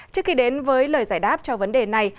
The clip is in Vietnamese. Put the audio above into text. trước khi đến với lời giải đáp cho vấn đề này